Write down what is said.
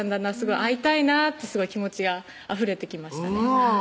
会いたいなってすごい気持ちがあふれてきましたね